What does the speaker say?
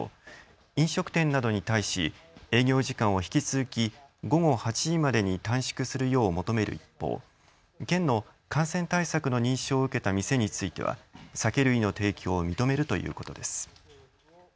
飲食店などに対し営業時間を引き続き午後８時までに短縮するよう求める一方、県の感染対策の認証を受けた店については酒類の提供を認めるということです。